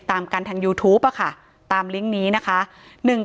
ถ้าใครอยากรู้ว่าลุงพลมีโปรแกรมทำอะไรที่ไหนยังไง